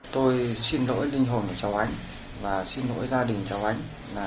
tôi xin lỗi linh hồn của cháu ánh và xin lỗi gia đình cháu ánh